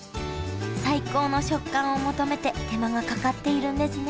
最高の食感を求めて手間がかかっているんですね